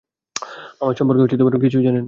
আমার সম্পর্কে কিছুই জানেন না।